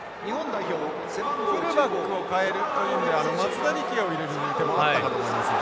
フルバックを代えるという意味では松田力也を入れる手もあったかと思いますが。